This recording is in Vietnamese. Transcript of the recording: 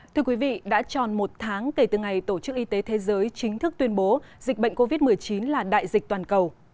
thưa quý vị đã tròn một tháng kể từ ngày tổ chức y tế thế giới chính thức tuyên bố dịch bệnh covid một mươi chín là đại dịch toàn cầu